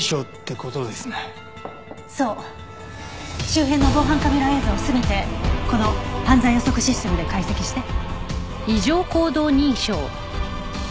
周辺の防犯カメラ映像を全てこの犯罪予測システムで解析して。